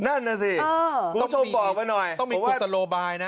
นั่นนะสิต้องมีคุณสโลบายนะ